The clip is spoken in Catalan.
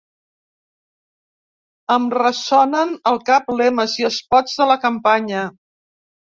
Em ressonen al cap lemes i espots de la campanya.